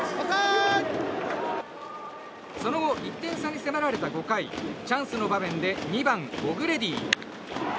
その後、１点差に迫られた５回チャンスの場面で２番、オグレディ。